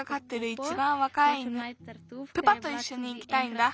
いちばんわかい犬プパといっしょに行きたいんだ。